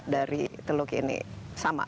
dari teluk ini sama